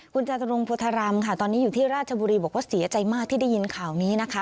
คุณจาตุรงโพธารามค่ะตอนนี้อยู่ที่ราชบุรีบอกว่าเสียใจมากที่ได้ยินข่าวนี้นะคะ